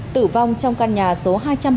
tử vong trong căn nhà số hai trăm bảy mươi sáu